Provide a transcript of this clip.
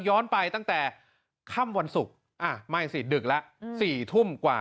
ย้อนไปตั้งแต่ค่ำวันศุกร์ไม่สิดึกแล้ว๔ทุ่มกว่า